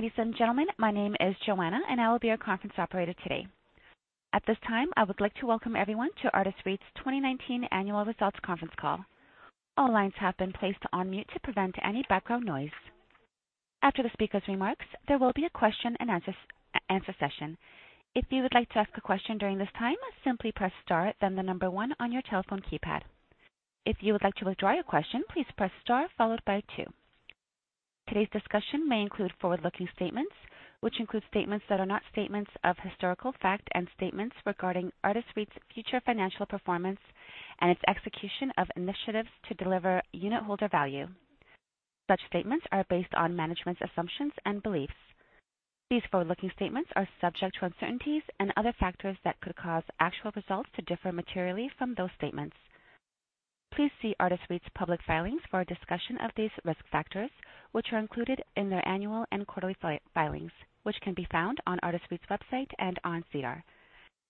Ladies and gentlemen, my name is Joanna and I will be your conference operator today. At this time, I would like to welcome everyone to Artis REIT's 2019 annual results conference call. All lines have been placed on mute to prevent any background noise. After the speaker's remarks, there will be a question-and-answer session. If you would like to ask a question during this time, simply press star then the number one on your telephone keypad. If you would like to withdraw your question, please press star followed by two. Today's discussion may include forward-looking statements, which include statements that are not statements of historical fact and statements regarding Artis REIT's future financial performance and its execution of initiatives to deliver unitholder value. Such statements are based on management's assumptions and beliefs. These forward-looking statements are subject to uncertainties and other factors that could cause actual results to differ materially from those statements. Please see Artis REIT's public filings for a discussion of these risk factors, which are included in their annual and quarterly filings, which can be found on Artis REIT's website and on SEDAR.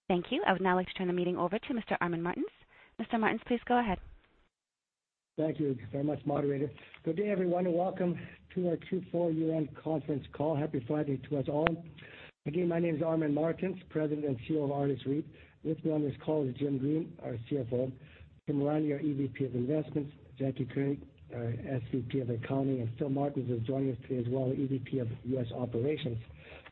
Thank you. I would now like to turn the meeting over to Mr. Armin Martens. Mr. Martens, please go ahead. Thank you very much, moderator. Good day, everyone, and welcome to our Q4 year-end conference call. Happy Friday to us all. Again, my name is Armin Martens, President and CEO of Artis REIT. With me on this call is Jim Green, our CFO, Kim Riley, our EVP of Investments, Jacy Koenig, our SVP of Accounting, and Phil Martens is joining us today as well, EVP of U.S. Operations.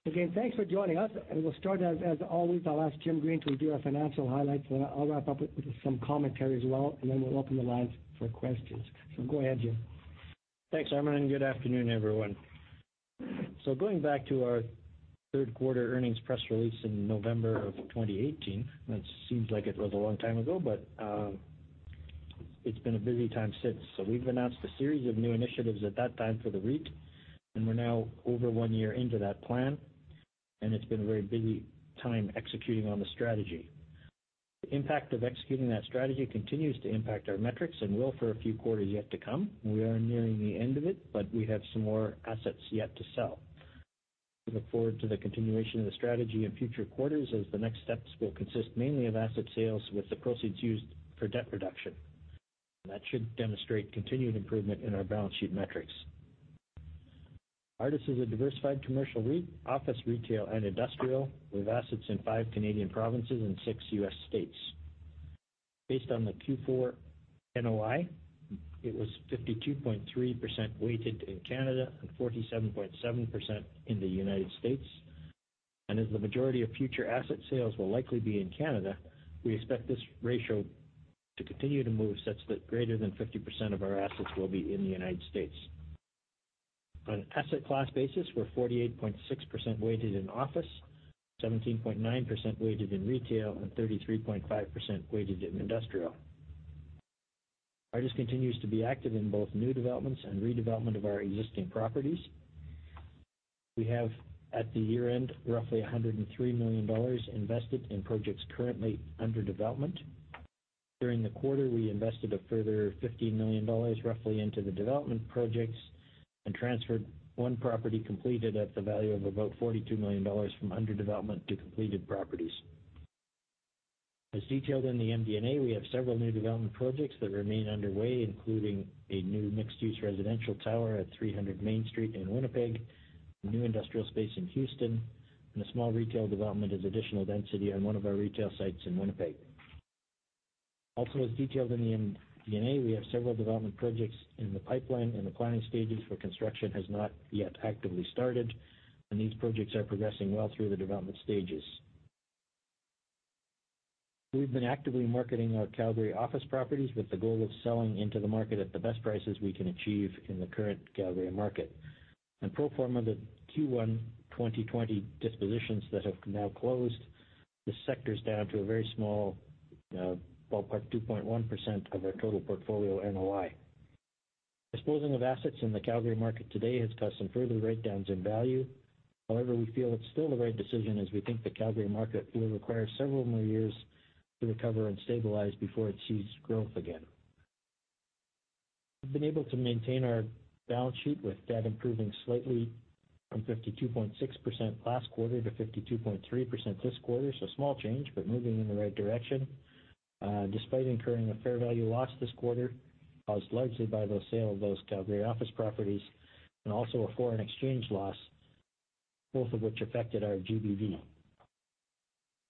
Again, thanks for joining us, and we'll start as always, I'll ask Jim Green to review our financial highlights, and then I'll wrap up with some commentary as well, and then we'll open the lines for questions. Go ahead, Jim. Thanks, Armin, and good afternoon, everyone. Going back to our third quarter earnings press release in November of 2018, that seems like it was a long time ago, but it's been a busy time since. We've announced a series of new initiatives at that time for the REIT, and we're now over one year into that plan, and it's been a very busy time executing on the strategy. The impact of executing that strategy continues to impact our metrics and will for a few quarters yet to come. We are nearing the end of it, but we have some more assets yet to sell. We look forward to the continuation of the strategy in future quarters as the next steps will consist mainly of asset sales with the proceeds used for debt reduction. That should demonstrate continued improvement in our balance sheet metrics. Artis is a diversified commercial REIT, office, retail, and industrial with assets in five Canadian provinces and six U.S. states. Based on the Q4 NOI, it was 52.3% weighted in Canada and 47.7% in the United States. As the majority of future asset sales will likely be in Canada, we expect this ratio to continue to move such that greater than 50% of our assets will be in the United States. On an asset-class basis, we're 48.6% weighted in office, 17.9% weighted in retail, and 33.5% weighted in industrial. Artis continues to be active in both new developments and redevelopment of our existing properties. We have, at the year-end, roughly 103 million dollars invested in projects currently under development. During the quarter, we invested a further 15 million dollars roughly into the development projects and transferred one property completed at the value of about 42 million dollars from under development to completed properties. As detailed in the MD&A, we have several new development projects that remain underway, including a new mixed-use residential tower at 300 Main Street in Winnipeg, a new industrial space in Houston, and a small retail development as additional density on one of our retail sites in Winnipeg. Also, as detailed in the MD&A, we have several development projects in the pipeline in the planning stages where construction has not yet actively started, and these projects are progressing well through the development stages. We've been actively marketing our Calgary office properties with the goal of selling into the market at the best prices we can achieve in the current Calgary market. Pro forma, the Q1 2020 dispositions that have now closed, the sector's down to a very small ballpark 2.1% of our total portfolio NOI. Disposing of assets in the Calgary market today has caused some further write-downs in value. However, we feel it's still the right decision as we think the Calgary market will require several more years to recover and stabilize before it sees growth again. We've been able to maintain our balance sheet with debt improving slightly from 52.6% last quarter to 52.3% this quarter, so small change, but moving in the right direction. Despite incurring a fair value loss this quarter, caused largely by the sale of those Calgary office properties and also a foreign exchange loss, both of which affected our GBV.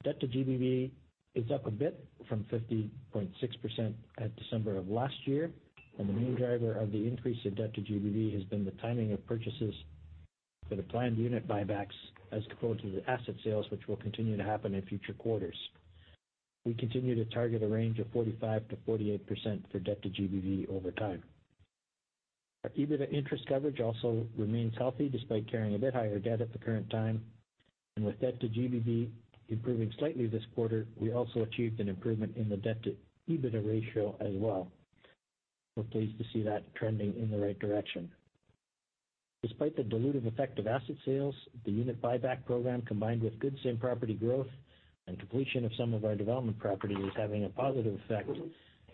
Debt-to-GBV is up a bit from 50.6% at December of last year. The main driver of the increase of debt-to-GBV has been the timing of purchases for the planned unit buybacks as opposed to the asset sales, which will continue to happen in future quarters. We continue to target a range of 45%-48% for debt-to-GBV over time. Our EBITDA interest coverage also remains healthy despite carrying a bit higher debt at the current time. With debt-to-GBV improving slightly this quarter, we also achieved an improvement in the debt to EBITDA ratio as well. We're pleased to see that trending in the right direction. Despite the dilutive effect of asset sales, the unit buyback program, combined with good same-property growth and completion of some of our development property, is having a positive effect,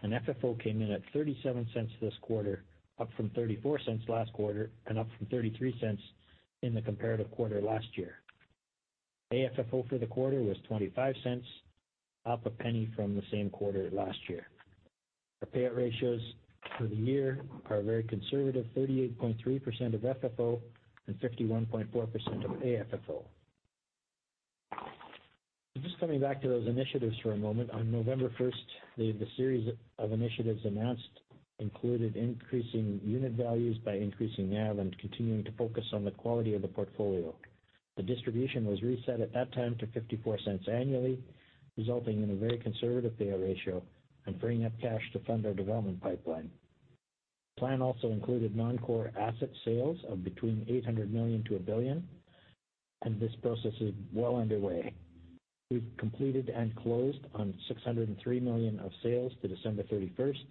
and FFO came in at 0.37 this quarter, up from 0.34 last quarter and up from 0.33 in the comparative quarter last year. AFFO for the quarter was 0.25, up CAD 0.01 from the same quarter last year. Our payout ratios for the year are very conservative, 38.3% of FFO and 51.4% of AFFO. Just coming back to those initiatives for a moment, on November 1st, the series of initiatives announced included increasing unit values by increasing NAV and continuing to focus on the quality of the portfolio. The distribution was reset at that time to 0.54 annually, resulting in a very conservative payout ratio and freeing up cash to fund our development pipeline. The plan also included non-core asset sales of between 800 million to 1 billion. This process is well underway. We've completed and closed on 603 million of sales to December 31st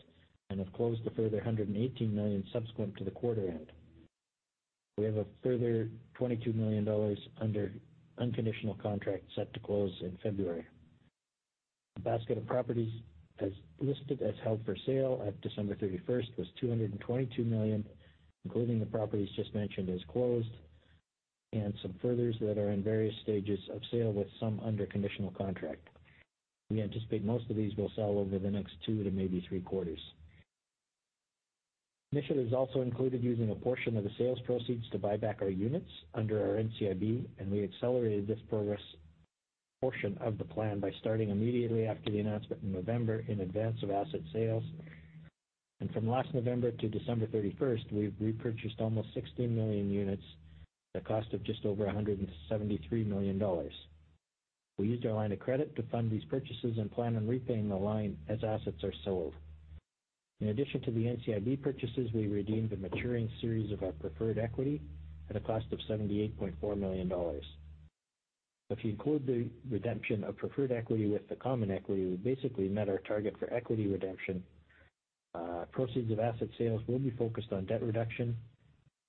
and have closed a further 118 million subsequent to the quarter end. We have a further 22 million dollars under unconditional contract set to close in February. A basket of properties as listed as held for sale at December 31st was 222 million, including the properties just mentioned as closed and some furthers that are in various stages of sale with some under conditional contract. We anticipate most of these will sell over the next two to maybe three quarters. Initiatives also included using a portion of the sales proceeds to buy back our units under our NCIB. We accelerated this progress portion of the plan by starting immediately after the announcement in November in advance of asset sales. From last November to December 31st, we've repurchased almost 60 million units at a cost of just over 173 million dollars. We used our line of credit to fund these purchases and plan on repaying the line as assets are sold. In addition to the NCIB purchases, we redeemed a maturing series of our preferred equity at a cost of 78.4 million dollars. If you include the redemption of preferred equity with the common equity, we basically met our target for equity redemption. Proceeds of asset sales will be focused on debt reduction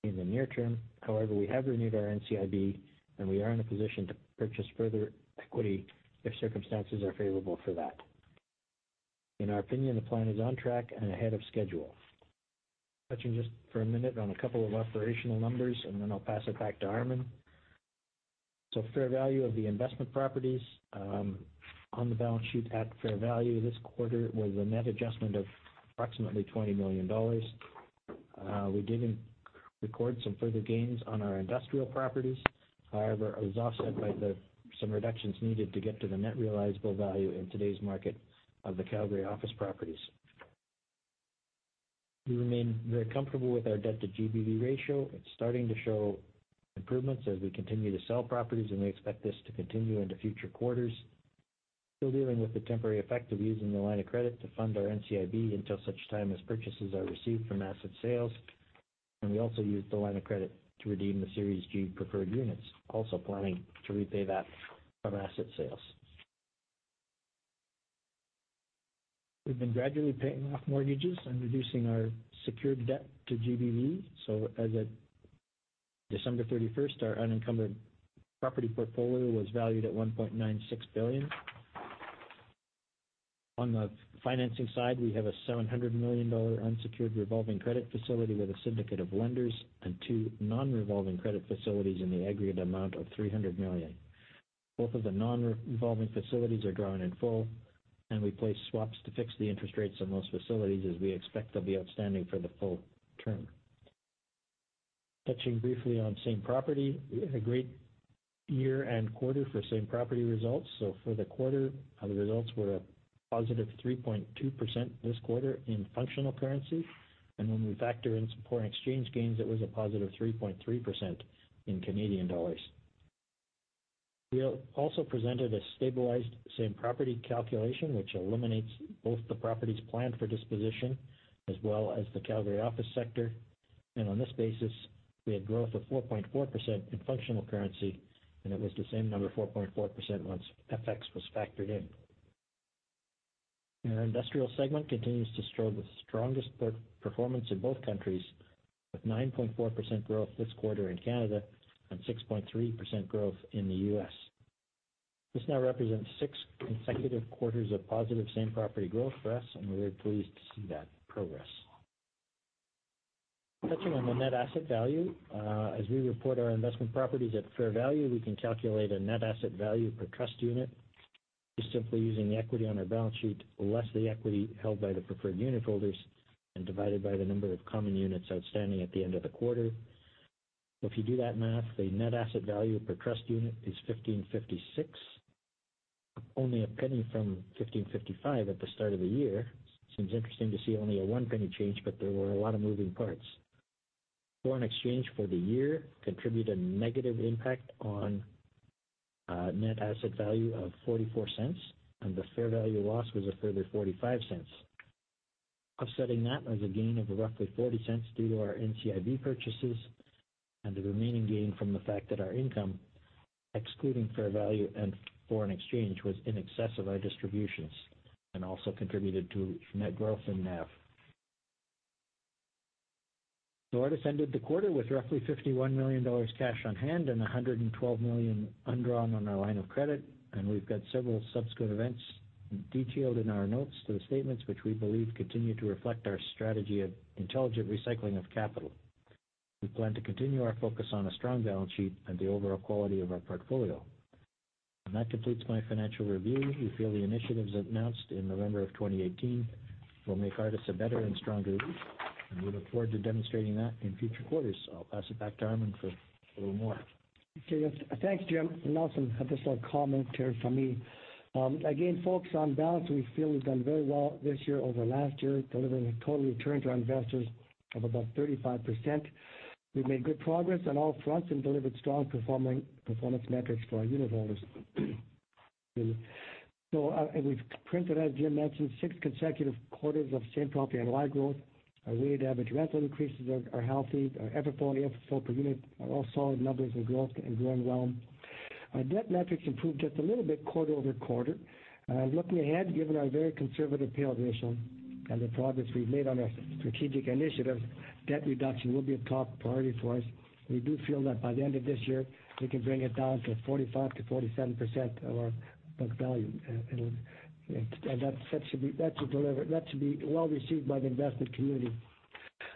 in the near term. However, we have renewed our NCIB, and we are in a position to purchase further equity if circumstances are favorable for that. In our opinion, the plan is on track and ahead of schedule. Touching just for a minute on a couple of operational numbers, and then I'll pass it back to Armin. Fair value of the investment properties on the balance sheet at fair value this quarter was a net adjustment of approximately 20 million dollars. We did record some further gains on our industrial properties. It was offset by some reductions needed to get to the net realizable value in today's market of the Calgary office properties. We remain very comfortable with our debt-to-GBV ratio. It's starting to show improvements as we continue to sell properties, and we expect this to continue into future quarters. Still dealing with the temporary effect of using the line of credit to fund our NCIB until such time as purchases are received from asset sales. We also used the line of credit to redeem the Series G preferred units, also planning to repay that from asset sales. We've been gradually paying off mortgages and reducing our secured debt-to-GBV. As of December 31st, our unencumbered property portfolio was valued at 1.96 billion. On the financing side, we have a 700 million dollar unsecured revolving credit facility with a syndicate of lenders and two non-revolving credit facilities in the aggregate amount of 300 million. Both of the non-revolving facilities are drawn in full, and we place swaps to fix the interest rates on those facilities as we expect they'll be outstanding for the full term. Touching briefly on same property, we had a great year and quarter for same property results. For the quarter, the results were a +3.2% this quarter in functional currency. When we factor in support and exchange gains, it was a +3.3% in Canadian dollars. We also presented a stabilized same property calculation, which eliminates both the properties planned for disposition as well as the Calgary office sector. On this basis, we had growth of 4.4% in functional currency, and it was the same number, 4.4%, once FX was factored in. Our industrial segment continues to show the strongest performance in both countries, with 9.4% growth this quarter in Canada and 6.3% growth in the U.S. This now represents six consecutive quarters of positive same property growth for us, and we're very pleased to see that progress. Touching on the net asset value. As we report our investment properties at fair value, we can calculate a net asset value per trust unit. It's simply using the equity on our balance sheet less the equity held by the preferred unit holders and divided by the number of common units outstanding at the end of the quarter. If you do that math, the net asset value per trust unit is 15.56, only CAD 0.01 from 15.55 at the start of the year. Seems interesting to see only 0.01 change, but there were a lot of moving parts. Foreign exchange for the year contributed a negative impact on net asset value of 0.44, and the fair value loss was a further 0.45. Offsetting that was a gain of roughly 0.40 due to our NCIB purchases and the remaining gain from the fact that our income, excluding fair value and foreign exchange, was in excess of our distributions and also contributed to net growth in NAV. Artis ended the quarter with roughly 51 million dollars cash on hand and 112 million undrawn on our line of credit. We've got several subsequent events detailed in our notes to the statements, which we believe continue to reflect our strategy of intelligent recycling of capital. We plan to continue our focus on a strong balance sheet and the overall quality of our portfolio. That completes my financial review. We feel the initiatives announced in November of 2018 will make Artis a better and stronger REIT. We look forward to demonstrating that in future quarters. I'll pass it back to Armin for a little more. Okay. Thanks, Jim. Also, just a little comment here from me. Again, folks, on balance, we feel we've done very well this year over last year, delivering a total return to our investors of about 35%. We've made good progress on all fronts and delivered strong performance metrics for our unitholders. We've printed, as Jim mentioned, six consecutive quarters of same property NOI growth. Our weighted average rental increases are healthy. Our FFO and AFFO per unit are all solid numbers and growing well. Our debt metrics improved just a little bit quarter-over-quarter. Looking ahead, given our very conservative payout ratio and the progress we've made on our strategic initiatives, debt reduction will be a top priority for us. We do feel that by the end of this year, we can bring it down to 45%-47% of our book value. That should be well received by the investment community.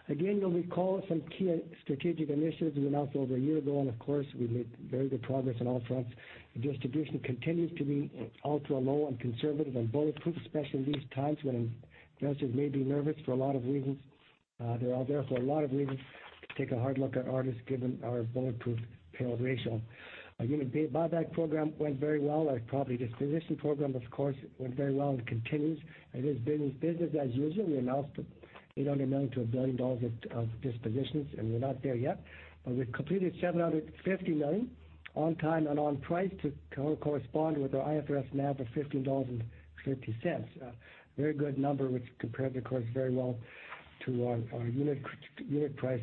Again, you'll recall some key strategic initiatives we announced over a year ago, and of course, we've made very good progress on all fronts. The distribution continues to be ultra low and conservative and bulletproof, especially in these times when investors may be nervous for a lot of reasons. They're all there for a lot of reasons to take a hard look at Artis given our bulletproof payout ratio. Our unit buyback program went very well. Our property disposition program, of course, went very well and continues. It is business as usual. We announced CAD 800 million to 1 billion dollars of dispositions. We're not there yet. We've completed 750 million on time and on price to correspond with our IFRS NAV of 15.56 dollars. A very good number, which compared, of course, very well to our unit price.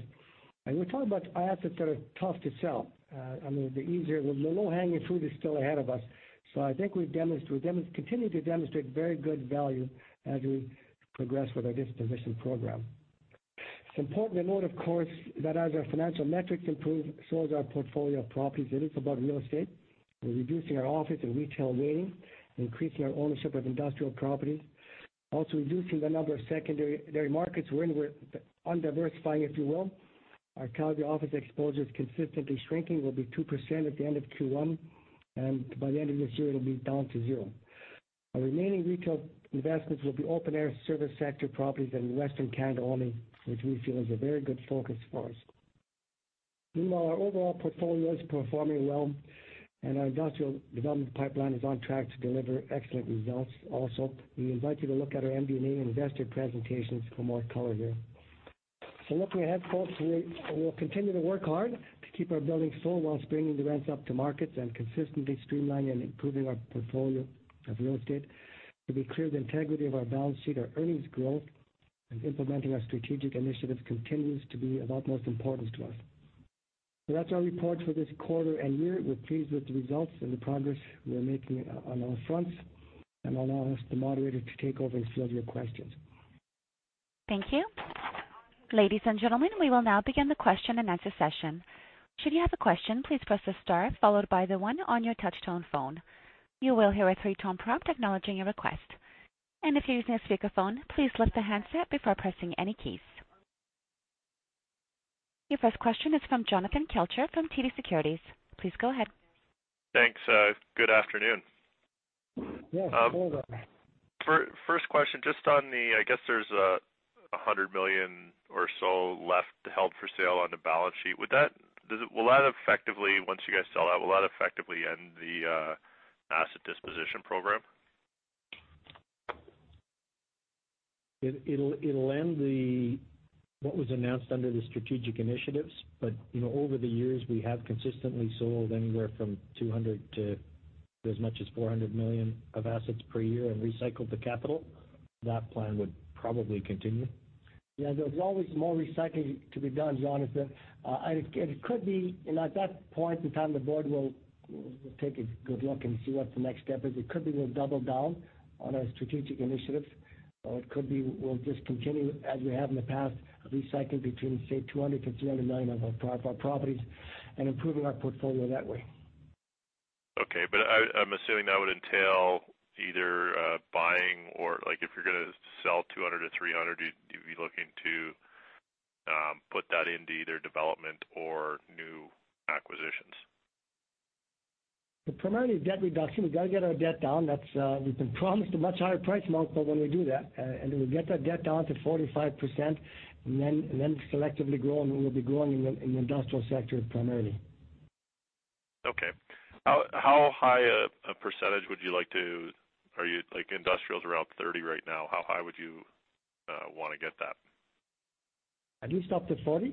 We're talking about assets that are tough to sell. The low-hanging fruit is still ahead of us. I think we continue to demonstrate very good value as we progress with our disposition program. It's important to note, of course, that as our financial metrics improve, so does our portfolio of properties. It is about real estate. We're reducing our office and retail weighting, increasing our ownership of industrial properties. Also reducing the number of secondary markets wherein we're undiversifying, if you will. Our Calgary office exposure is consistently shrinking. We'll be 2% at the end of Q1, and by the end of this year, it'll be down to 0%. Our remaining retail investments will be open-air service sector properties in Western Canada only, which we feel is a very good focus for us. Meanwhile, our overall portfolio is performing well, and our industrial development pipeline is on track to deliver excellent results also. We invite you to look at our MD&A investor presentations for more color here. Looking ahead, folks, we will continue to work hard to keep our buildings full whilst bringing the rents up to markets and consistently streamlining and improving our portfolio of real estate. To be clear, the integrity of our balance sheet, our earnings growth, and implementing our strategic initiatives continues to be of utmost importance to us. That's our report for this quarter and year. We're pleased with the results and the progress we're making on all fronts, and I'll ask the moderator to take over some of your questions. Thank you. Ladies and gentlemen, we will now begin the question-and-answer session. Should you have a question, please press the star followed by the one on your touch-tone phone. You will hear a three-tone prompt acknowledging your request. If you're using a speakerphone, please lift the handset before pressing any keys. Your first question is from Jonathan Kelcher from TD Securities. Please go ahead. Thanks. Good afternoon. Yes. Good afternoon. First question, just on the, I guess there's 100 million or so left held for sale on the balance sheet. Once you guys sell that, will that effectively end the asset disposition program? It'll end what was announced under the strategic initiatives. Over the years, we have consistently sold anywhere from 200 million to as much as 400 million of assets per year and recycled the capital. That plan would probably continue. Yeah. There is always more recycling to be done, Jonathan. At that point in time, the Board will take a good look and see what the next step is. It could be we will double down on our strategic initiatives, or it could be we will just continue as we have in the past, recycling between, say, 200 million-300 million of our properties and improving our portfolio that way. Okay. I'm assuming that would entail either buying or, if you're going to sell 200 million-300 million, you'd be looking to put that into either development or new acquisitions. Primarily debt reduction. We've got to get our debt down. We've been promised a much higher price multiple when we do that. We get that debt down to 45%, and then selectively growing. We'll be growing in the industrial sector primarily. Okay. How high of percentage would you like to, like industrials are up 30% right now, how high would you want to get that? At least up to 40%.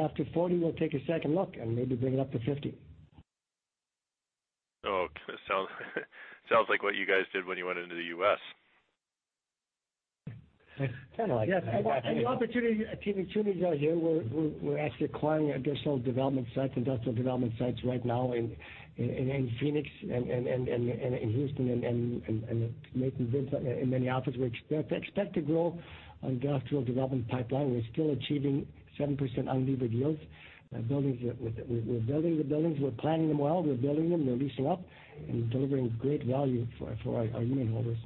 After 40%, we'll take a second look and maybe bring it up to 50%. Okay. Sounds like what you guys did when you went into the U.S. Kind of like that. Yes. The opportunities are here. We're actually acquiring additional development sites, industrial development sites right now in Phoenix and in Houston and making bids in many offices. We expect to grow our industrial development pipeline. We're still achieving 7% unlevered yields. We're building the buildings. We're planning them well. We're building them. They're leasing up and delivering great value for our unitholders.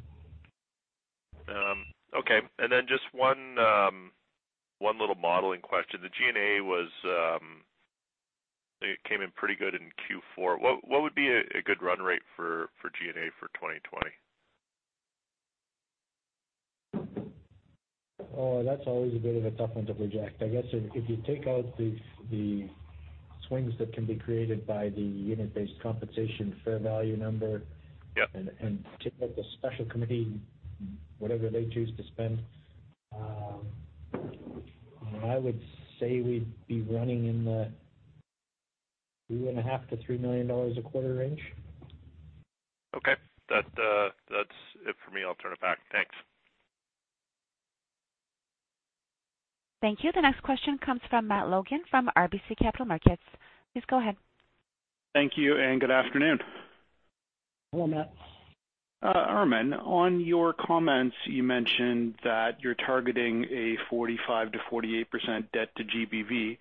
Okay. Just one little modeling question. The G&A came in pretty good in Q4. What would be a good run rate for G&A for 2020? Oh, that's always a bit of a tough one to project. I guess if you take out the swings that can be created by the unit-based compensation fair value number. Yeah Take out the Special Committee, whatever they choose to spend, I would say we'd be running in the 2.5 million-3 million dollars a quarter range. Okay. That's it for me. I'll turn it back. Thanks. Thank you. The next question comes from Matt Logan from RBC Capital Markets. Please go ahead. Thank you, and good afternoon. Hello, Matt. Armin, on your comments, you mentioned that you're targeting a 45%-48% debt-to-GBV.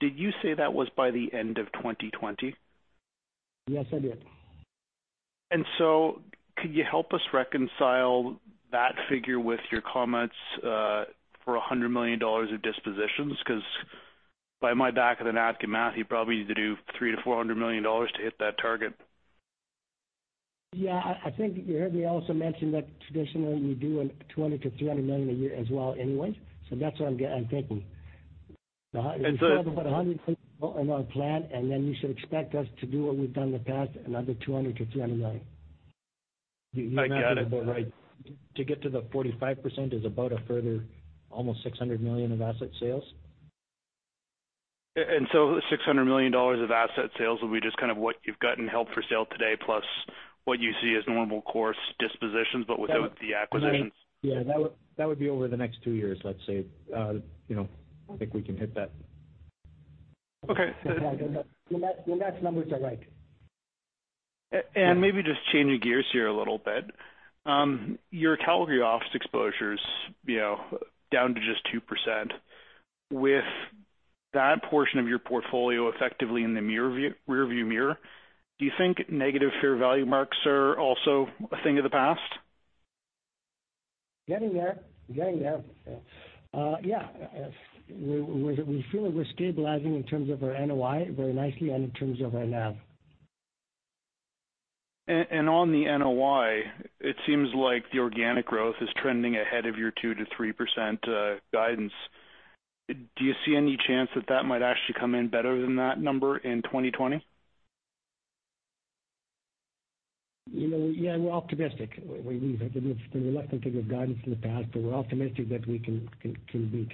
Did you say that was by the end of 2020? Yes, I did. Could you help us reconcile that figure with your comments for 100 million dollars of dispositions? Because by my back of the napkin math, you probably need to do 300 million-400 million dollars to hit that target. Yeah, I think you heard me also mention that traditionally we do 200 million-300 million a year as well anyways. That's what I'm thinking. We still have about 100 million in our plan, and then you should expect us to do what we've done in the past, another 200 million-300 million. I get it. To get to the 45% is about a further almost 600 million of asset sales. 600 million dollars of asset sales would be just kind of what you've got in held for sale today plus what you see as normal course dispositions, but without the acquisitions? Yeah, that would be over the next two years, let's say. I think we can hit that. Okay. Your math numbers are right. Maybe just changing gears here a little bit. Your Calgary office exposure's down to just 2%. With that portion of your portfolio effectively in the rearview mirror, do you think negative fair value marks are also a thing of the past? Getting there. Yeah. We feel that we're stabilizing in terms of our NOI very nicely and in terms of our NAV. On the NOI, it seems like the organic growth is trending ahead of your 2%-3% guidance. Do you see any chance that that might actually come in better than that number in 2020? Yeah, we're optimistic. We like to give guidance in the past, but we're optimistic that we can beat.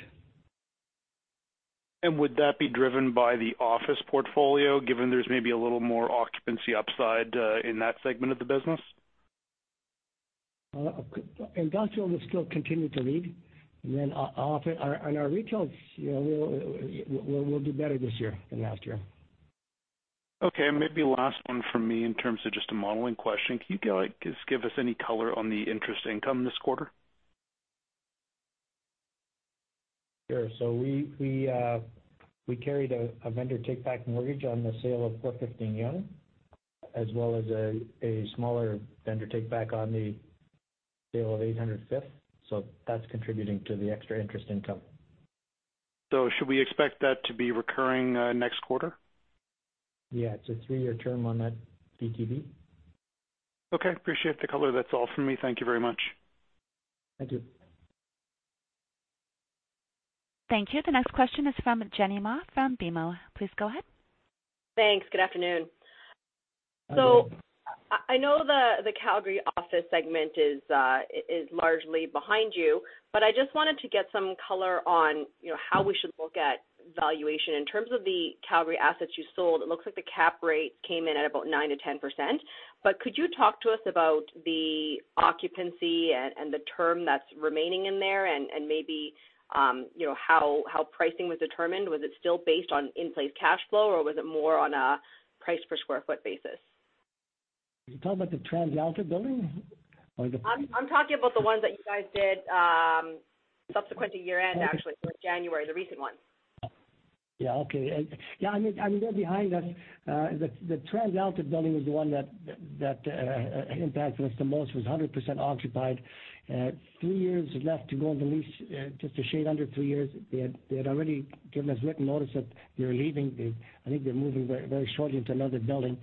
Would that be driven by the office portfolio, given there's maybe a little more occupancy upside in that segment of the business? Industrial will still continue to lead. Our retail will do better this year than last year. Maybe last one from me in terms of just a modeling question. Can you just give us any color on the interest income this quarter? Sure. We carried a vendor take-back mortgage on the sale of 415 Yonge, as well as a smaller vendor take-back on the sale of 800 Fifth. That's contributing to the extra interest income. Should we expect that to be recurring next quarter? Yeah, it's a three-year term on that VTB. Okay. Appreciate the color. That's all from me. Thank you very much. Thank you. Thank you. The next question is from Jenny Ma from BMO. Please go ahead. Thanks. Good afternoon. Good afternoon. I know the Calgary office segment is largely behind you, but I just wanted to get some color on how we should look at valuation. In terms of the Calgary assets you sold, it looks like the cap rate came in at about 9%-10%, but could you talk to us about the occupancy and the term that's remaining in there and maybe how pricing was determined? Was it still based on in-place cash flow, or was it more on a price per square foot basis? You talking about the TransAlta building? I'm talking about the ones that you guys did subsequent to year-end, actually. It's January, the recent ones. Yeah. Okay. Yeah, they're behind us. The TransAlta building was the one that impacted us the most. It was 100% occupied. Three years left to go on the lease, just a shade under three years. They had already given us written notice that they're leaving. I think they're moving very shortly into another building.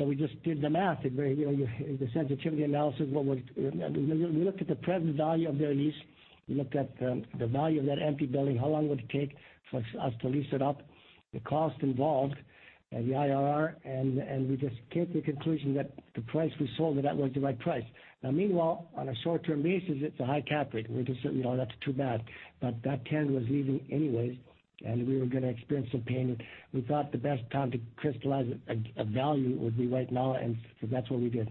We just did the math. The sensitivity analysis. We looked at the present value of their lease. We looked at the value of that empty building, how long would it take for us to lease it up, the cost involved, and the IRR. We just came to the conclusion that the price we sold it at was the right price. Now, meanwhile, on a short-term basis, it's a high cap rate. We just certainly don't like it too bad. That tenant was leaving anyways, and we were going to experience some pain. We thought the best time to crystallize a value would be right now, and so that's what we did.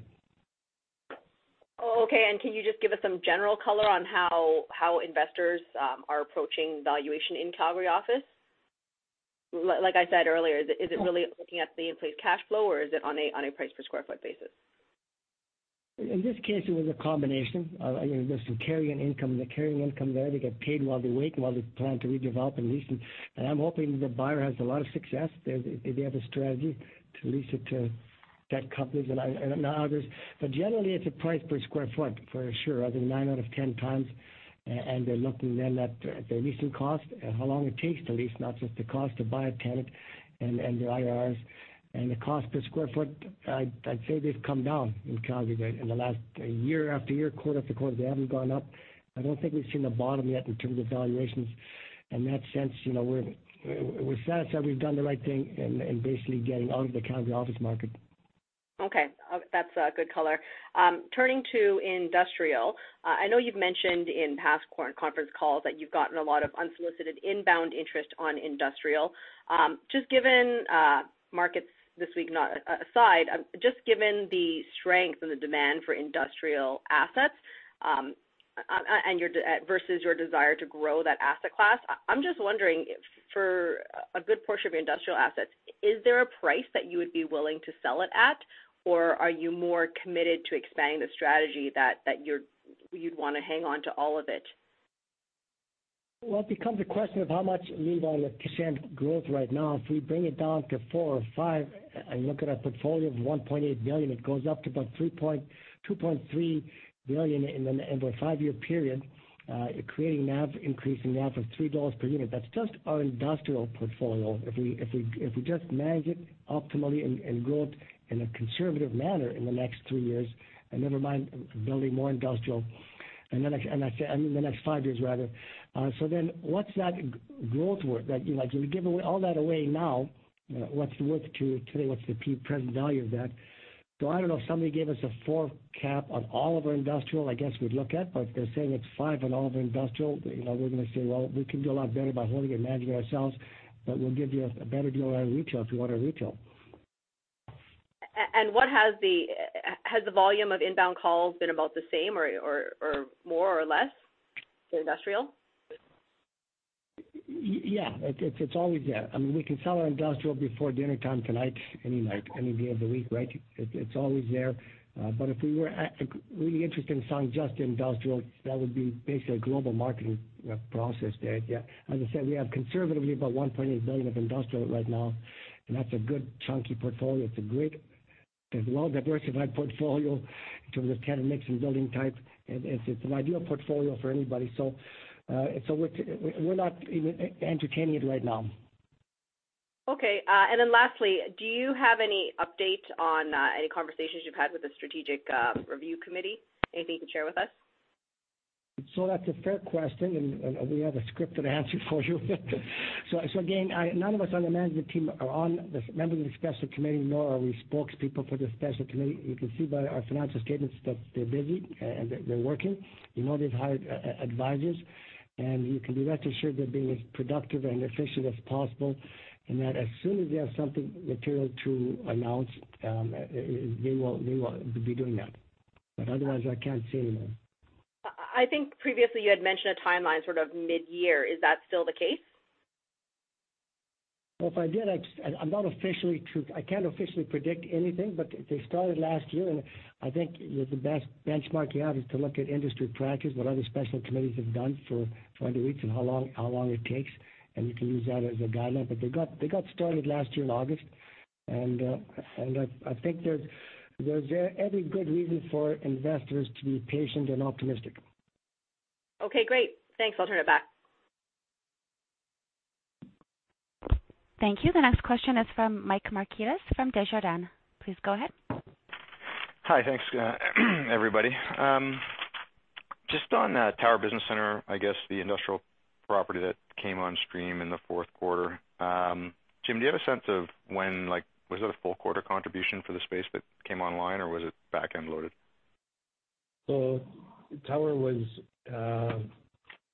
Oh, okay. Can you just give us some general color on how investors are approaching valuation in Calgary office? Like I said earlier, is it really looking at the in-place cash flow, or is it on a price per square foot basis? In this case, it was a combination of some carry-in income. The carry-in income there, they get paid while they wait, while they plan to redevelop and lease. I'm hoping the buyer has a lot of success. They have a strategy to lease it to tech companies and others. Generally, it's a price per square foot, for sure, I think nine out of 10 times. They're looking then at their leasing cost, how long it takes to lease, not just the cost to buy a tenant, and their IRRs. The cost per square foot, I'd say they've come down in Calgary there. Year-after-year, quarter-after-quarter, they haven't gone up. I don't think we've seen the bottom yet in terms of valuations. In that sense, we're satisfied we've done the right thing in basically getting out of the Calgary office market. Okay. That's good color. Turning to industrial. I know you've mentioned in past conference calls that you've gotten a lot of unsolicited inbound interest on industrial. Markets this week not aside, just given the strength and the demand for industrial assets versus your desire to grow that asset class, I'm just wondering, for a good portion of your industrial assets, is there a price that you would be willing to sell it at? Or are you more committed to expanding the strategy that you'd want to hang on to all of it? Well, it becomes a question of how much we want to send growth right now. If we bring it down to 4% or 5% and look at our portfolio of 1.8 billion, it goes up to about 2.3 billion in the end of a five-year period, creating NAV, increasing NAV of 3.00 dollars per unit. That's just our industrial portfolio. If we just manage it optimally and grow it in a conservative manner in the next three years, and never mind building more industrial, in the next five years, rather. What's that growth worth? If we give all that away now, what's the worth today? What's the present value of that? I don't know. If somebody gave us a 4% cap on all of our industrial, I guess we'd look at, but if they're saying it's 5% on all of our industrial, we're going to say, "Well, we can do a lot better by holding and managing it ourselves, but we'll give you a better deal on our retail if you want our retail. Has the volume of inbound calls been about the same or more, or less for industrial? Yeah. It's always there. We can sell our industrial before dinnertime tonight, any night, any day of the week, right? It's always there. If we were really interested in selling just industrial, that would be basically a global marketing process there. As I said, we have conservatively about 1.8 billion of industrial right now, and that's a good chunky portfolio. It's a great and well-diversified portfolio in terms of tenant mix and building types. It's an ideal portfolio for anybody. We're not even entertaining it right now. Okay. Lastly, do you have any update on any conversations you've had with the Strategic Review Committee? Anything you can share with us? That's a fair question, and we have a scripted answer for you. Again, none of us on the management team are on the members of the Special Committee, nor are we spokespeople for the Special Committee. You can see by our financial statements that they're busy and they're working. You know they've hired advisors, and you can be rest assured they're being as productive and efficient as possible, and that as soon as they have something material to announce, they will be doing that. Otherwise, I can't say any more. I think previously you had mentioned a timeline sort of mid-year. Is that still the case? Well, if I did, I can't officially predict anything, but they started last year, and I think the best benchmark you have is to look at industry practice, what other special committees have done for under a week, and how long it takes. You can use that as a guideline. They got started last year in August, and I think there's every good reason for investors to be patient and optimistic. Okay, great. Thanks. I'll turn it back. Thank you. The next question is from Michael Markidis from Desjardins. Please go ahead. Hi. Thanks, everybody. Just on Tower Business Center, I guess the industrial property that came on stream in the fourth quarter. Jim, do you have a sense of when-- Was it a full quarter contribution for the space that came online, or was it back-end loaded? Tower,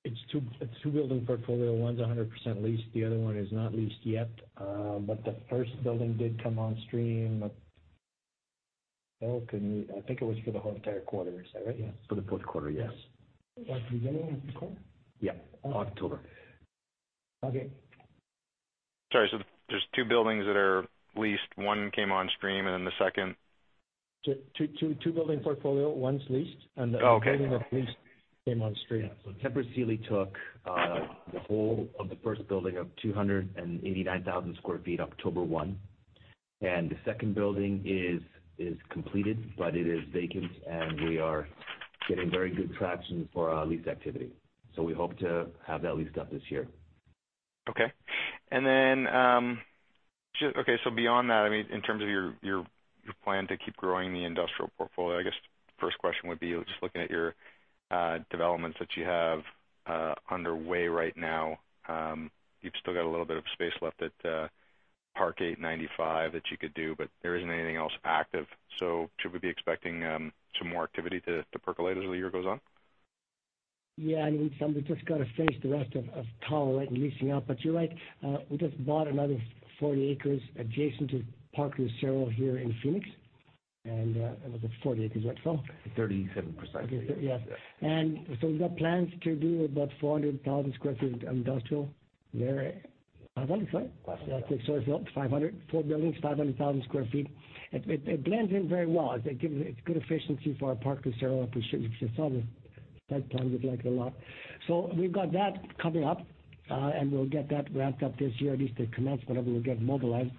it's a two-building portfolio. One's 100% leased, the other one is not leased yet. The first building did come on stream. Phil, can you. I think it was for the whole entire quarter. Is that right? Yeah. For the fourth quarter, yes. Was it the beginning of the quarter? Yeah, October. Okay. Sorry. There's 2 buildings that are leased. One came on stream and the second- Two-building portfolio. One's leased, and the other building that leased came on stream. Yeah. Tempur Sealy took the whole of the first building of 289,000 sq ft October 1. The second building is completed, but it is vacant, and we are getting very good traction for our lease activity. We hope to have that leased up this year. Okay. Beyond that, in terms of your plan to keep growing the industrial portfolio, I guess first question would be, just looking at your developments that you have underway right now. You've still got a little bit of space left at Park 8Ninety V that you could do, but there isn't anything else active. Should we be expecting some more activity to percolate as the year goes on? Yeah. We've just got to face the rest of Tower leasing up. You're right. We just bought another 40 acres adjacent to Park Lucero here in Phoenix. It was 40 acres, right, Phil? 37 acres precisely. Okay. Yeah. We've got plans to do about 400,000 sq ft of industrial there, 500, sorry? [Questions] Yeah, I think. Sorry Phil, 500. Four buildings, 500,000 sq ft. It blends in very well. It's good efficiency for our partners there. You saw the site plan. We like it a lot. We've got that coming up, and we'll get that ramped up this year, at least to commence, whenever we'll get mobilized.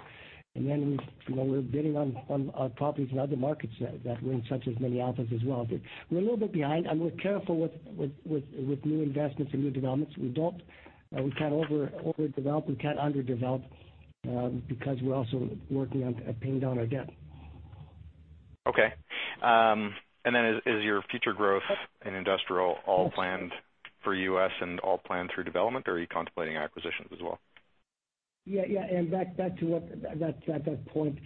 Then we're bidding on properties in other markets that we're in, such as many others as well. We're a little bit behind, and we're careful with new investments and new developments. We can't overdevelop, we can't underdevelop, because we're also working on paying down our debt. Okay. Is your future growth in industrial all planned for U.S. and all planned through development, or are you contemplating acquisitions as well? Yeah. Back to that point,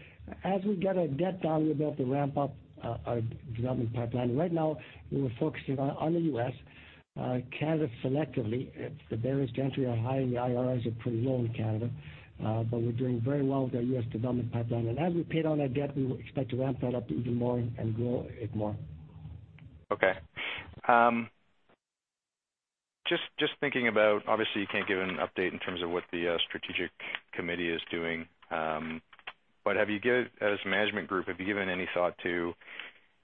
as we get our debt down, we'll be able to ramp up our development pipeline. Right now, we're focusing on the U.S., Canada selectively. The barriers to entry are high, and the IRRs are pretty low in Canada. We're doing very well with our U.S. development pipeline. As we pay down that debt, we expect to ramp that up even more and grow it more. Okay. Just thinking about, obviously, you can't give an update in terms of what the Strategic Committee is doing. As a management group, have you given any thought to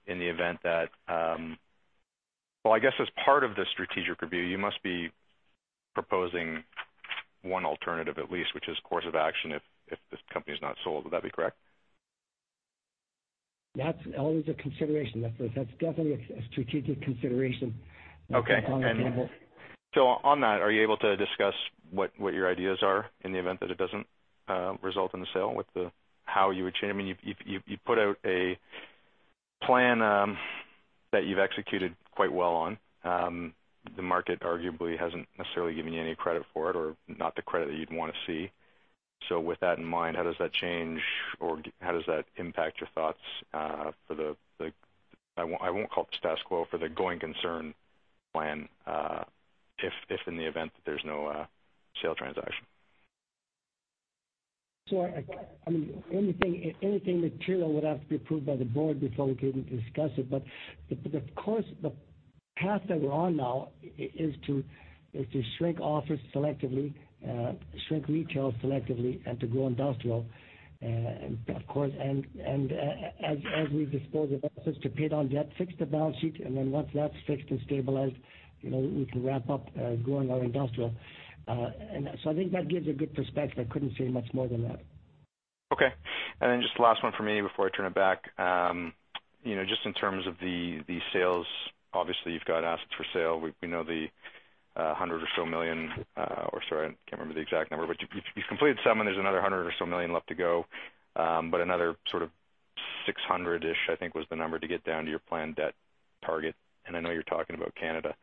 in the event that...Well, I guess as part of the strategic review, you must be proposing one alternative at least, which is course of action if this company's not sold. Would that be correct? That's always a consideration. That's definitely a strategic consideration on the table. Okay. On that, are you able to discuss what your ideas are in the event that it doesn't result in a sale? How you would change? You put out a plan that you've executed quite well on. The market arguably hasn't necessarily given you any credit for it or not the credit that you'd want to see. With that in mind, how does that change or how does that impact your thoughts for the, I won't call it the status quo, for the going concern plan, if in the event that there's no sale transaction? Anything material would have to be approved by the Board before we could even discuss it. The path that we're on now is to shrink office selectively, shrink retail selectively, and to grow industrial, of course. As we dispose of office to pay down debt, fix the balance sheet, and then once that's fixed and stabilized, we can ramp up growing our industrial. I think that gives a good perspective. I couldn't say much more than that. Okay. Just last one from me before I turn it back. Just in terms of the sales, obviously you've got assets for sale. We know the 100 million or so, or sorry, I can't remember the exact number, but you've completed some and there's another 100 million or so left to go. Another sort of 600 million-ish, I think, was the number to get down to your planned debt target. I know you're talking about Canada.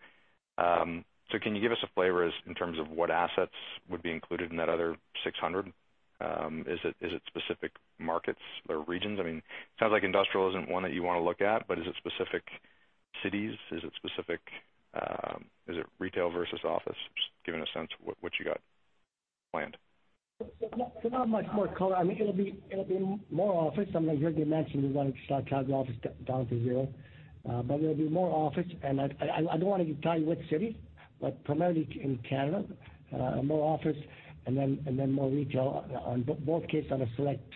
Can you give us a flavor in terms of what assets would be included in that other 600 million? Is it specific markets or regions? Sounds like industrial isn't one that you want to look at, but is it specific cities? Is it retail versus office? Just give me a sense of what you got planned. There's not much more color. It'll be more office. I mean, here, we mentioned we wanted to start Chicago office down to zero. It'll be more office, and I don't want to tell you which city, but primarily in Canada. More office and then more retail, on both cases on a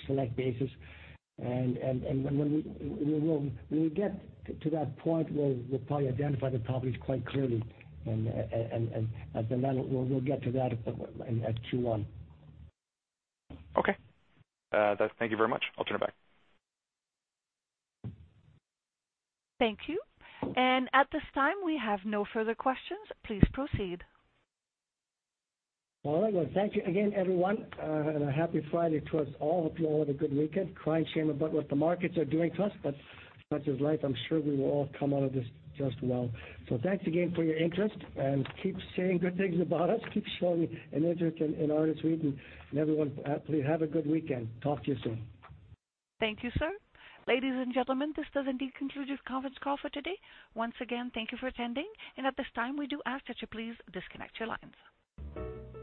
select basis. When we get to that point, we'll probably identify the properties quite clearly. We'll get to that at Q1. Okay. Thank you very much. I'll turn it back. Thank you. At this time, we have no further questions. Please proceed. All right. Well, thank you again, everyone. A happy Friday to us all. Hope you all have a good weekend. Crime shame about what the markets are doing to us, but such is life. I'm sure we will all come out of this just well. Thanks again for your interest, and keep saying good things about us. Keep showing an interest in Artis REIT. Everyone, please have a good weekend. Talk to you soon. Thank you, sir. Ladies and gentlemen, this does indeed conclude your conference call for today. Once again, thank you for attending. At this time, we do ask that you please disconnect your lines.